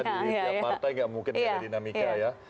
di partai tidak mungkin tidak ada dinamika ya